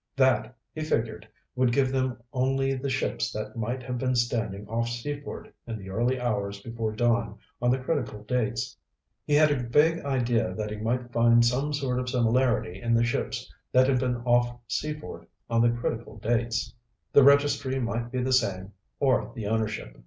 That, he figured, would give them only the ships that might have been standing off Seaford in the early hours before dawn on the critical dates. He had a vague idea that he might find some sort of similarity in the ships that had been off Seaford on the critical dates. The registry might be the same, or the ownership.